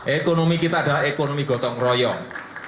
ekonomi kita adalah ekonomi gotong royong